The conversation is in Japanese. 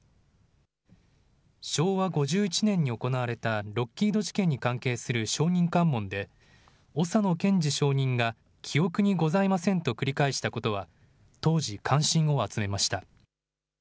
昭和５１年に行われたロッキード事件に関係する証人喚問で、小佐野賢治証人が、記憶にございませんと繰り返したことは、当時、関心を集めました。